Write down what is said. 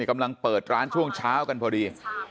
กำลังเปิดร้านช่วงเช้ากันพอดี